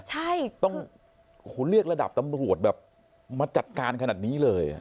ใช่ต้องเรียกระดับตำรวจแบบมาจัดการขนาดนี้เลย